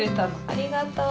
ありがとう。